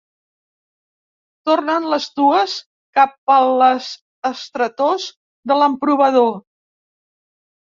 Tornen les dues cap a les estretors de l'emprovador.